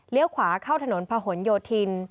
ขวาเข้าถนนพะหนโยธิน